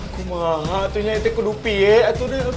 aku mah hatunya itu kudupi ya